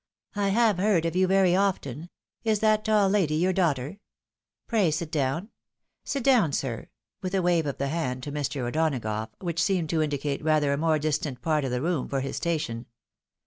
" I have heard of you very often. Is that tall lady your daughter ? Pray sit down. Sit down, sir," with a wave of the hand to Mr. O'Donagough, which seemed to indicate rather a more distant part of the room for his station.